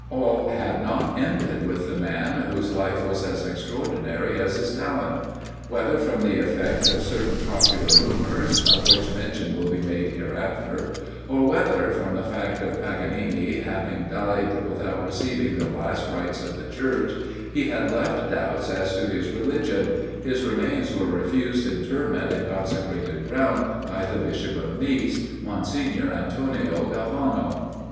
All had not ended with the man whose life was as extraordinary as his talent. Whether from the effect of certain popular rumours, of which mention will be made hereafter, or whether, from the fact of Paganini having died without receiving the last rites of the Church, he had left doubts as to his religion, his remains were refused interment in consecrated ground by the Bishop of Nice, Monsignor Antonio Galvano.